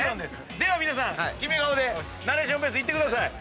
では皆さんキメ顔でナレーションベース行ってください。